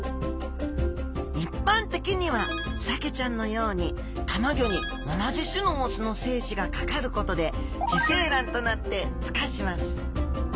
一般的にはサケちゃんのようにたまギョに同じ種の雄の精子がかかることで受精卵となってふ化します。